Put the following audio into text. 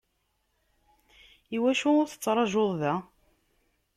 Iwacu ur tettrajuḍ da?